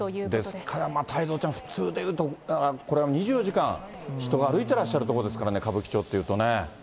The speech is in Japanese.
ですから、太蔵ちゃん、普通でいうと、これは２４時間人が歩いてらっしゃる所ですからね、歌舞伎町というとね。